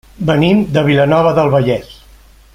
Venim de Vilanova del Vallès.